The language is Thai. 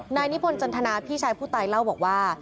นายนิพนธันทนาพี่ชายผู้ตายเล่าบอกว่า